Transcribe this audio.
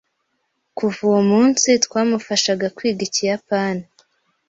Kuva uwo munsi, twamufashaga kwiga Ikiyapani.